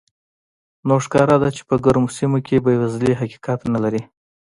نو ښکاره ده چې په ګرمو سیمو کې بېوزلي حقیقت نه لري.